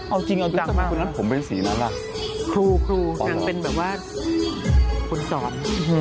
เอาจริงเอาจริงอ่ะว่านั้นผมเป็นสีนั้นกลัวว่าคุณสอน